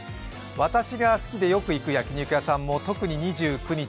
私が好きでよくいく焼肉屋さんも特に２９日